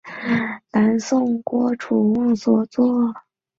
据琴曲解析为南宋郭楚望所作。